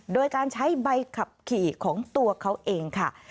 โดยการใช้ใบขับขี่ของตัวเขาเองค่ะ